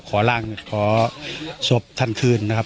ขอร่างขอศพท่านคืนนะครับ